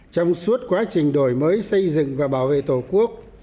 trong suốt quá trình đổi mới xây dựng và bảo vệ tổ quốc